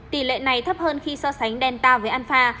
tỷ lệ này thấp hơn khi so sánh delta với alfa